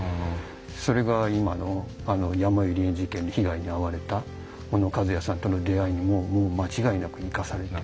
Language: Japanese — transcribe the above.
それがやまゆり園事件の被害に遭われた尾野一矢さんとの出会いにもう間違いなく生かされてる。